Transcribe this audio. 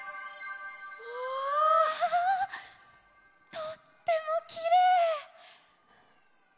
とってもきれい！